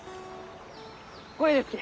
これですき！